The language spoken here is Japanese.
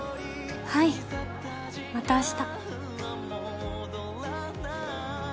はいまた明日。